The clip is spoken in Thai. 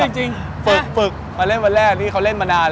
จริงฝึกมาเล่นวันแรกที่เขาเล่นมานาน